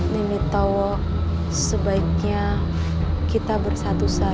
nini tau sebaiknya kita bersatu saja